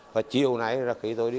và chiều nay là khi tôi đi